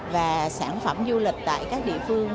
và sản phẩm du lịch tại các địa phương